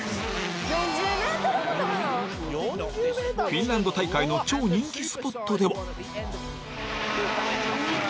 フィンランド大会の超人気スポットでは。